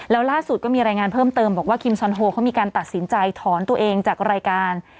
แล้วล่าสุดก็มีรายงานเพิ่มเติมบอกว่าคิมซอนโฮเขามีการตัดสินใจถอนตัวเองจากรายการ